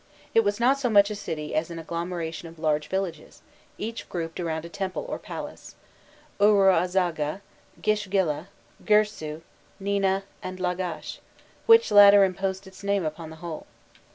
It was not so much a city as an agglomeration of large villages, each grouped around a temple or palace Uruazagga, Gishgalla, G irsu, Nina, and Lagash, which latter imposed its name upon the whole.